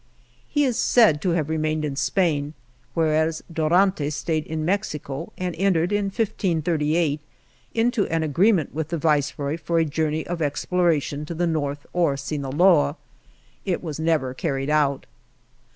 He is said to have remained in Spain, whereas Dorantes stayed xii INTRODUCTION in Mexico, and entered, in 1538, into an agreement with the Viceroy for a journey of exploration to the north or Sinaloa. It was never carried out.